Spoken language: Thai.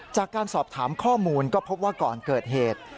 จากการสอบถามข้อมูลก็พบว่าก่อนเกิดเหตุ